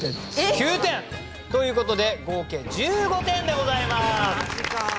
９点！ということで合計１５点でございます。